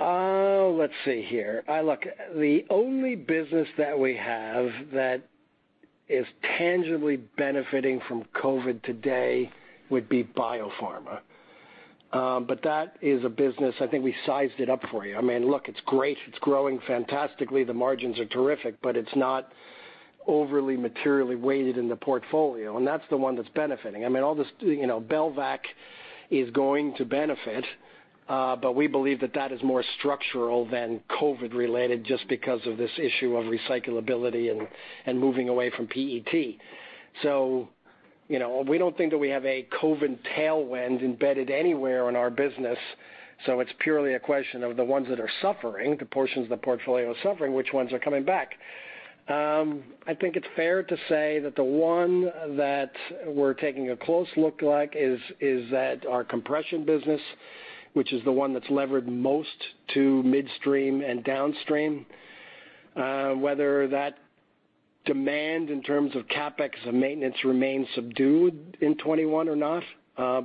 Let's see here. Look, the only business that we have that is tangibly benefiting from COVID today would be biopharma. That is a business, I think we sized it up for you. Look, it's great. It's growing fantastically. The margins are terrific, but it's not overly materially weighted in the portfolio, and that's the one that's benefiting. Belvac is going to benefit, but we believe that that is more structural than COVID related just because of this issue of recyclability and moving away from PET. We don't think that we have a COVID tailwind embedded anywhere in our business, so it's purely a question of the ones that are suffering, the portions of the portfolio suffering, which ones are coming back. I think it's fair to say that the one that we're taking a close look like is at our compression business, which is the one that's levered most to midstream and downstream, whether that demand in terms of CapEx and maintenance remains subdued in 2021 or not.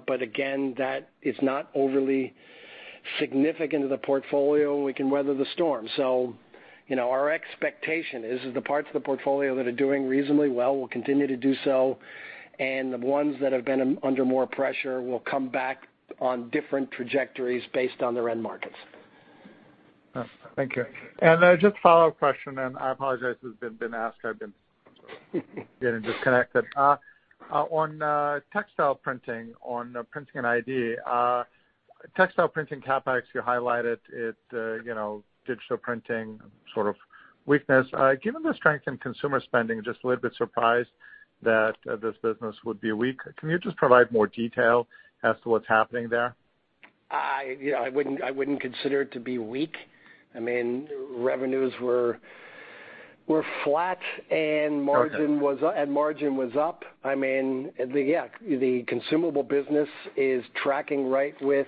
Again, that is not overly significant to the portfolio, and we can weather the storm. Our expectation is that the parts of the portfolio that are doing reasonably well will continue to do so, and the ones that have been under more pressure will come back on different trajectories based on their end markets. Thank you. Just a follow-up question, and I apologize if this has been asked, I've been getting disconnected. On textile printing, on Printing & ID, textile printing CapEx, you highlighted it, digital printing sort of weakness. Given the strength in consumer spending, just a little bit surprised that this business would be weak. Can you just provide more detail as to what's happening there? I wouldn't consider it to be weak. Revenues were flat and margin was up. The consumable business is tracking right with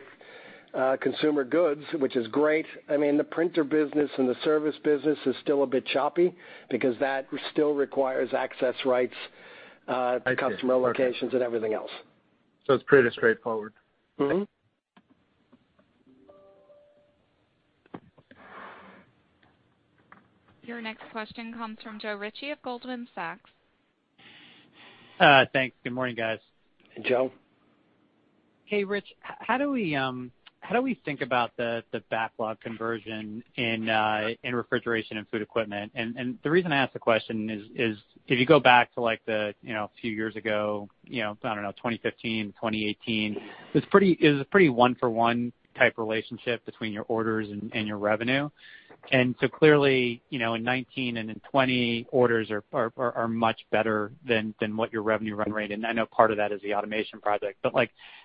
consumer goods, which is great. The printer business and the service business is still a bit choppy because that still requires access rights to customer locations and everything else. It's pretty straightforward. Your next question comes from Joe Ritchie of Goldman Sachs. Thanks. Good morning, guys. Joe. Hey, Rich. How do we think about the backlog conversion in Refrigeration & Food Equipment? The reason I ask the question is if you go back to a few years ago, I don't know, 2015, 2018, it was a pretty 1-for-1 type relationship between your orders and your revenue. Clearly, in 2019 and in 2020, orders are much better than what your revenue run rate. I know part of that is the automation project, but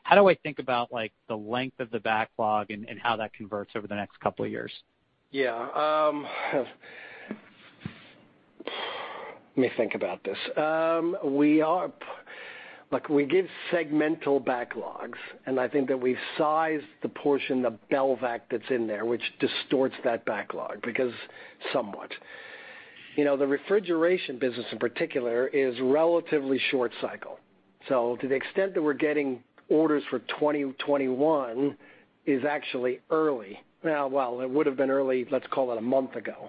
how do I think about the length of the backlog and how that converts over the next couple of years? Let me think about this. Look, we give segmental backlogs, and I think that we've sized the portion of Belvac that's in there, which distorts that backlog somewhat. The refrigeration business in particular is relatively short cycle. To the extent that we're getting orders for 2021 is actually early. Well, it would've been early, let's call it a month ago.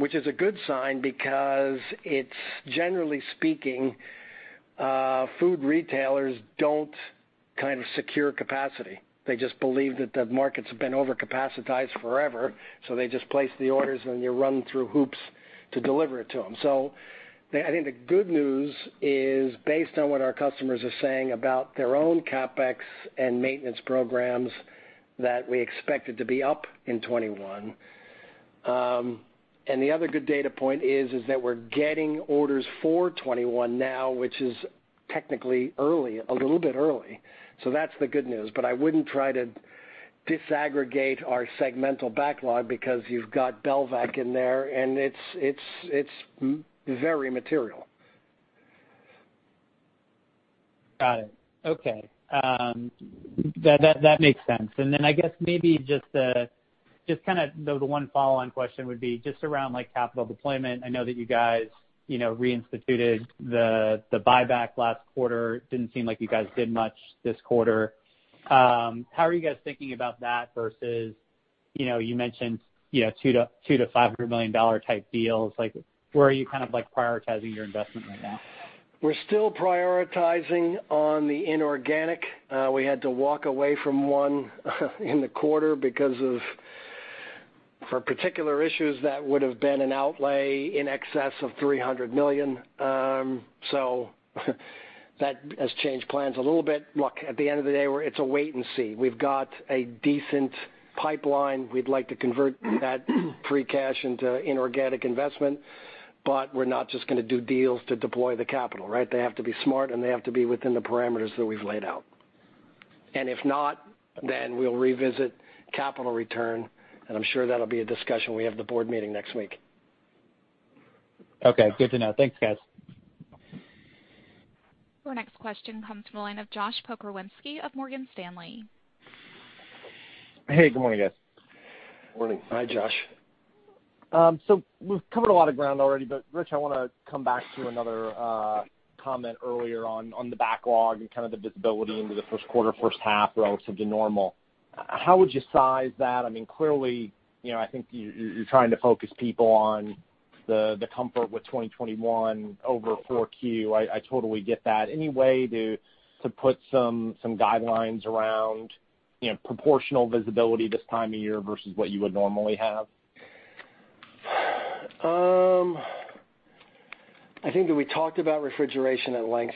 Which is a good sign because, generally speaking, food retailers don't secure capacity. They just believe that the markets have been over-capacitized forever, so they just place the orders, and you run through hoops to deliver it to them. I think the good news is based on what our customers are saying about their own CapEx and maintenance programs, that we expect it to be up in 2021. The other good data point is that we're getting orders for 2021 now, which is technically early, a little bit early. That's the good news, I wouldn't try to disaggregate our segmental backlog because you've got Belvac in there, and it's very material. Got it. Okay. That makes sense. I guess maybe just the one follow-on question would be just around capital deployment. I know that you guys reinstituted the buyback last quarter. Didn't seem like you guys did much this quarter. How are you guys thinking about that versus, you mentioned $200 million-$500 million type deals, where are you prioritizing your investment right now? We're still prioritizing on the inorganic. We had to walk away from one in the quarter because of particular issues that would've been an outlay in excess of $300 million. That has changed plans a little bit. Look, at the end of the day, it's a wait and see. We've got a decent pipeline. We'd like to convert that free cash into inorganic investment. We're not just going to do deals to deploy the capital. They have to be smart, and they have to be within the parameters that we've laid out. If not, then we'll revisit capital return, and I'm sure that'll be a discussion. We have the board meeting next week. Okay. Good to know. Thanks, guys. Your next question comes from the line of Josh Pokrzywinski of Morgan Stanley. Hey, good morning, guys. Morning. Hi, Josh. We've covered a lot of ground already, but Rich, I want to come back to another comment earlier on the backlog and kind of the visibility into the Q1, first half relative to normal. How would you size that? Clearly, I think you're trying to focus people on the comfort with 2021 over 4Q. I totally get that. Any way to put some guidelines around proportional visibility this time of year versus what you would normally have? I think that we talked about refrigeration at length.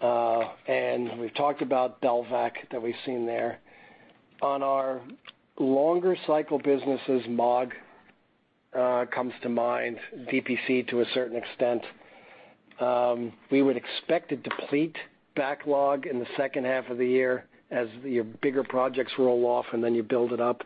We've talked about Belvac, that we've seen there. On our longer cycle businesses, Maag comes to mind, CPC to a certain extent. We would expect to deplete backlog in the second half of the year as your bigger projects roll off, and then you build it up.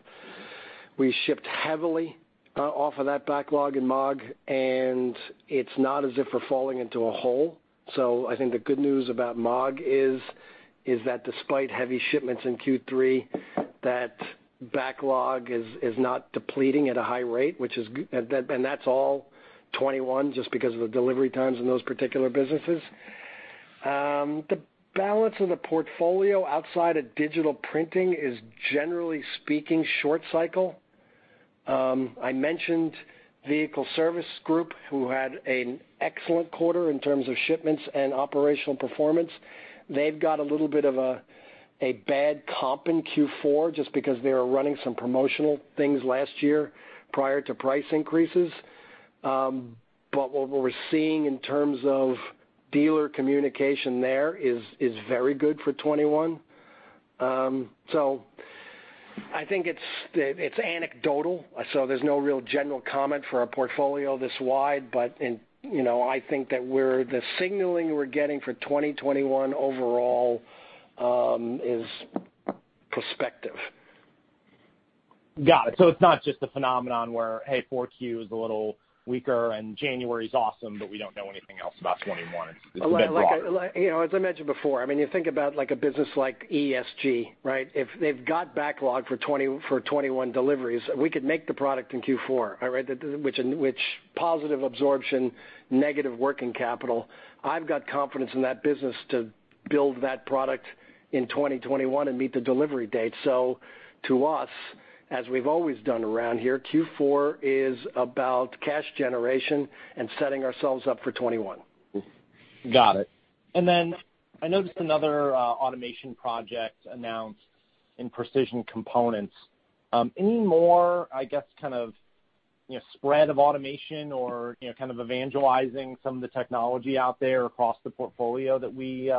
We shipped heavily off of that backlog in Maag, and it's not as if we're falling into a hole. I think the good news about Maag is that despite heavy shipments in Q3, that backlog is not depleting at a high rate, and that's all 2021, just because of the delivery times in those particular businesses. The balance of the portfolio outside of digital printing is, generally speaking, short cycle. I mentioned Vehicle Service Group, who had an excellent quarter in terms of shipments and operational performance. They've got a little bit of a bad comp in Q4 just because they were running some promotional things last year prior to price increases. What we're seeing in terms of dealer communication there is very good for 2021. I think it's anecdotal, so there's no real general comment for our portfolio this wide, but I think that the signaling we're getting for 2021 overall is prospective. Got it. It's not just a phenomenon where, hey, 4Q is a little weaker and January is awesome, but we don't know anything else about 2021. It's a bit broader. As I mentioned before, you think about a business like ESG, right? If they've got backlog for 2021 deliveries, we could make the product in Q4, all right? Which, positive absorption, negative working capital. I've got confidence in that business to build that product in 2021 and meet the delivery date. To us, as we've always done around here, Q4 is about cash generation and setting ourselves up for 2021. Got it. I noticed another automation project announced in Precision Components. Any more, I guess, kind of spread of automation or kind of evangelizing some of the technology out there across the portfolio that we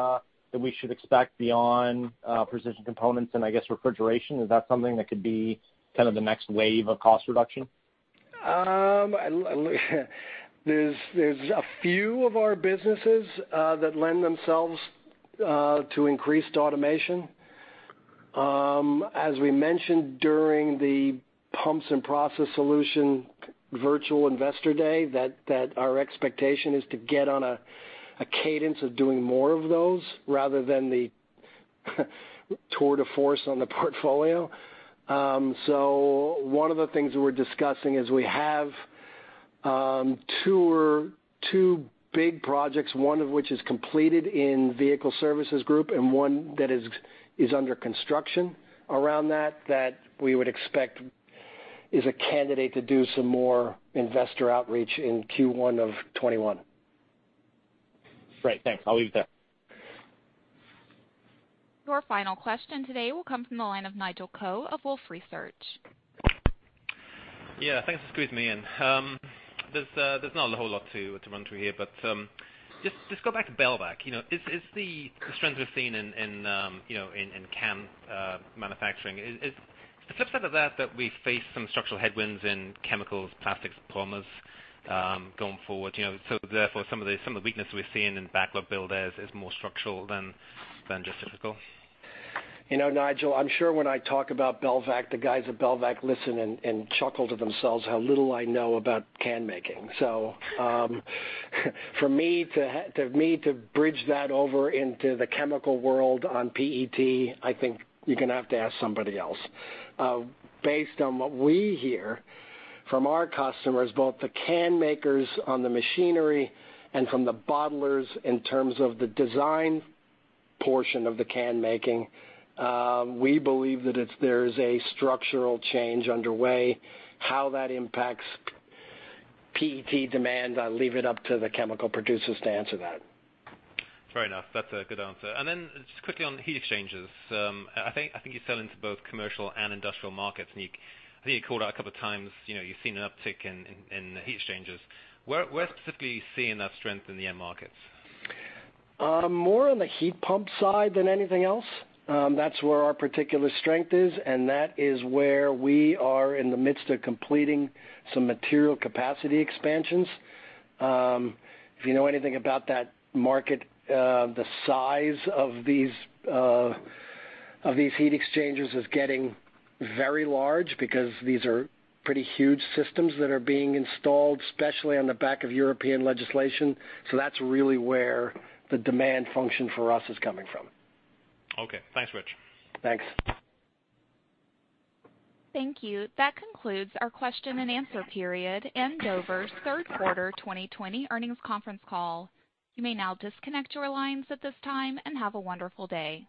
should expect beyond Precision Components and, I guess, Refrigeration? Is that something that could be kind of the next wave of cost reduction? There's a few of our businesses that lend themselves to increased automation. As we mentioned during the Pumps & Process Solutions virtual Investor Day, that our expectation is to get on a cadence of doing more of those rather than the tour de force on the portfolio. One of the things we're discussing is we have two big projects, one of which is completed in Vehicle Service Group, and one that is under construction around that we would expect is a candidate to do some more investor outreach in Q1 of 2021. Great. Thanks. I'll leave it there. Your final question today will come from the line of Nigel Coe of Wolfe Research. Thanks for squeezing me in. There's not a whole lot to run through here, but just go back to Belvac. Is the strength we've seen in can manufacturing, is the flip side of that that we face some structural headwinds in chemicals, Plastics and Polymers going forward? Therefore, some of the weakness we're seeing in backlog build there is more structural than just cyclical. Nigel, I'm sure when I talk about Belvac, the guys at Belvac listen and chuckle to themselves how little I know about can-making. For me to bridge that over into the chemical world on PET, I think you're going to have to ask somebody else. Based on what we hear from our customers, both the can makers on the machinery and from the bottlers in terms of the design portion of the can making, we believe that there is a structural change underway. How that impacts PET demand, I leave it up to the chemical producers to answer that. Fair enough. That's a good answer. Just quickly on heat exchangers. I think you sell into both commercial and industrial markets, and I think you called out a couple of times you've seen an uptick in heat exchangers. Where specifically are you seeing that strength in the end markets? More on the heat pump side than anything else. That's where our particular strength is, and that is where we are in the midst of completing some material capacity expansions. If you know anything about that market, the size of these heat exchangers is getting very large because these are pretty huge systems that are being installed, especially on the back of European legislation. That's really where the demand function for us is coming from. Okay. Thanks, Rich. Thanks. Thank you. That concludes our question and answer period and Dover's Q3 2020 earnings conference call. You may now disconnect your lines at this time, and have a wonderful day.